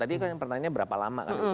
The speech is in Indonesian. tadi kan pertanyaannya berapa lama